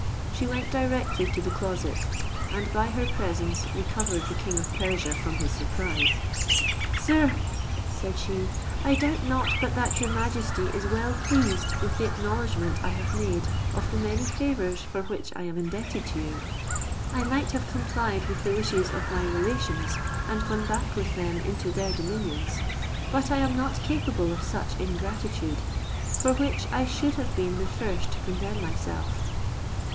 She went directly to the closet, and by her presence recovered the king of Persia from his surprise; "Sir," said she, "I doubt not but that your majesty is well pleased with the acknowledgment I have made of the many favours for which I am indebted to you. I might have complied with the wishes of my relations, and gone back with them into their dominions; but I am not capable of such ingratitude, for which I should have been the first to condemn myself."